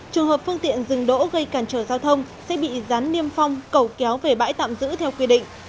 trường hợp phương tiện dừng đỗ gây cản trở giao thông sẽ bị gián niêm phong cầu kéo về bãi tạm giữ theo quy định